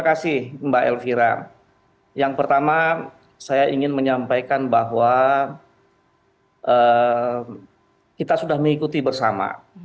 terima kasih mbak elvira yang pertama saya ingin menyampaikan bahwa kita sudah mengikuti bersama